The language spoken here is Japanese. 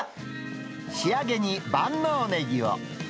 仕上げに万能ネギを。